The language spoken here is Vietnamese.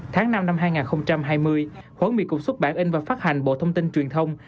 tháng năm năm hai nghìn hai mươi hội nghị cục xuất bản in và phát hành bộ thông tin truyền thông